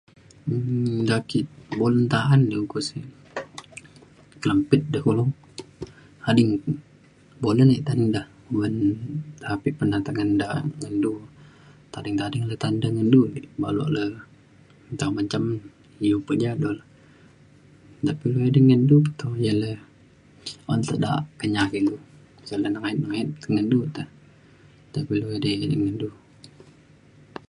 um da' ake bolen ta'an dik, ukok sik kelempit de kulu. ading bolen ek ta'an da oban nta pik pernai tai da ngan du. tading tading de ta'an da ngan du dik baluk le nta mencam iu pe ja do le. nta pe ilu edai ngan du pe to, ya le un te da'a kenyah ke ilu sey le nengayet negayet ti ngan du lukte tai pe ilu edai ngan du.